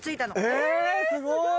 えすごい！